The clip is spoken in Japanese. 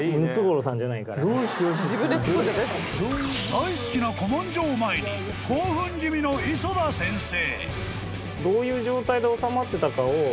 ［大好きな古文書を前に興奮気味の磯田先生］